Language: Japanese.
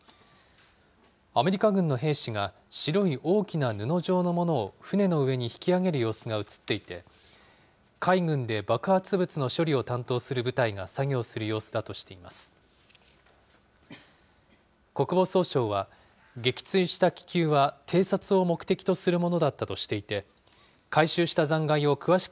アメリカ軍の兵士が、白い大きな布状のものを船の上に引き揚げる様子が写っていて、海軍で爆発物の処理を担当する部隊が作業する様子だとしています。